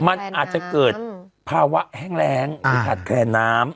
มันอาจจะเกิดภาวะแห้งแรงหรือขาดแคลนน้ำ